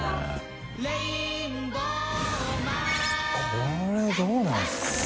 これどうなんですかね？